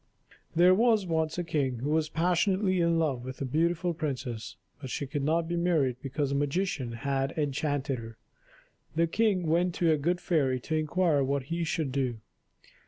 There was once a king who was passionately in love with a beautiful princess, but she could not be married because a magician had enchanted her. The king went to a good fairy to inquire what he should do.